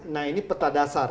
nah ini peta dasar